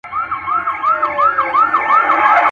په ښاديو نعمتونو يې زړه ښاد وو.